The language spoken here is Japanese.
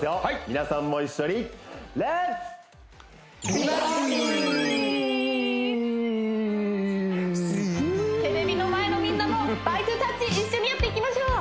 皆さんも一緒にテレビの前のみんなもバーイトウタッチ一緒にやっていきましょう